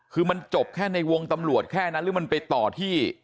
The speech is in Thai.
คือมันจบแค่ในวงตำรวจแค่นั้นหรือมันไปต่อที่